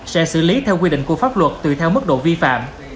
sẽ xử lý theo quy định của pháp luật tùy theo mức độ vi phạm